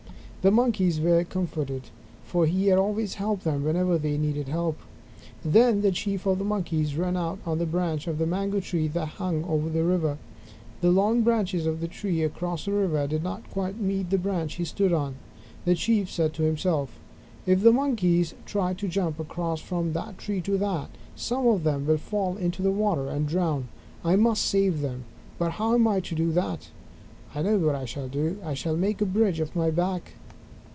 The Monkeys were comforted, for he had always helped them whenever they had needed help. Then the Chief of the Monkeys ran out on the branch of the mango tree that hung out over the river. The long branches of the tree across the river did not quite meet the branch he stood on. The Chief said to himself: "If the Monkeys try to jump across from this tree to that, some of them will fall into the water and drown. I must save them, but how am I to do it? I know what I shall do. I shall make a bridge of my back."